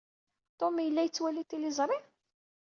Tony yella yettwali tiliẓri?